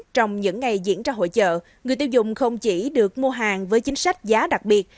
trong những ngày diễn ra hội trợ người tiêu dùng không chỉ được mua hàng với chính sách giá đặc biệt